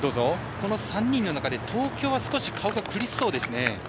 この３人の中で東京は顔が少し苦しそうですね。